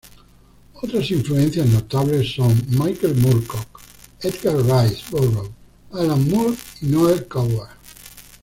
Otras influencias notables son Michael Moorcock, Edgar Rice Burroughs, Alan Moore y Noël Coward.